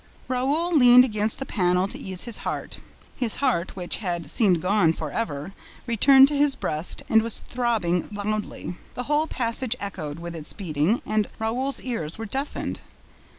Raoul leaned against the panel to ease his pain. His heart, which had seemed gone for ever, returned to his breast and was throbbing loudly. The whole passage echoed with its beating and Raoul's ears were deafened.